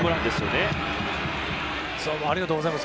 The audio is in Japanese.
ありがとうございます。